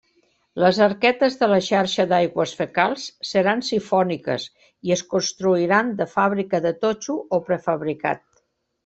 Les arquetes de la xarxa d'aigües fecals seran sifòniques i es construiran de fàbrica de totxo o prefabricat.